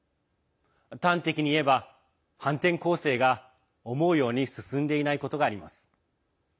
端的に言えば反転攻勢が思うように進んでいないことがあります。